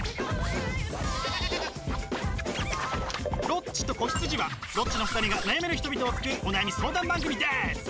「ロッチと子羊」はロッチの２人が悩める人々を救うお悩み相談番組です！